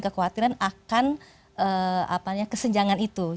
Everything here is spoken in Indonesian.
kekhawatiran akan kesenjangan itu